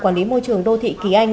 quản lý môi trường đô thị kỳ anh